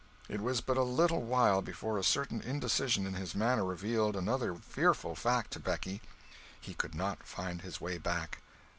It was but a little while before a certain indecision in his manner revealed another fearful fact to Becky—he could not find his way back!